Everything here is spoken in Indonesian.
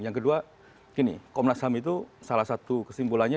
yang kedua gini komnas ham itu salah satu kesimpulannya